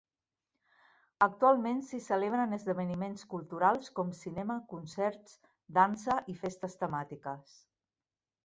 Actualment s'hi celebren esdeveniments culturals com cinema, concerts, dansa i festes temàtiques.